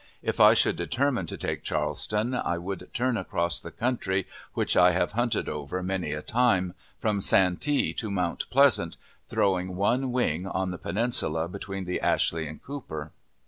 If I should determine to take Charleston, I would turn across the country (which I have hunted over many a time) from Santee to Mount Pleasant, throwing one wing on the peninsula between the Ashley and Cooper.